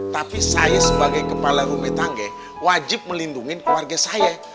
tapi saya sebagai kepala rumitangge wajib melindungi keluarga saya